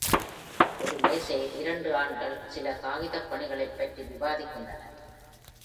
ஒரு மேசையில் இரண்டு ஆண்கள் சில காகிதப்பணிகளைப் பற்றி விவாதிக்கின்றனர்.